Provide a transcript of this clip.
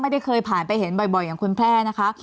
ได้เคยผ่านไปเห็นบ่อยอย่างคุณแพร่นะคะ